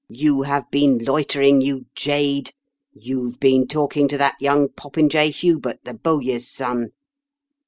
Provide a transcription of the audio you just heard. *' You have been loitering, you jade I You have been talking to that young popinjay, Hubert, the bowyer's son."